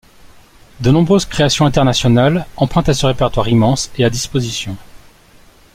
De nombreuses créations internationales empruntent à ce répertoire immense et à disposition.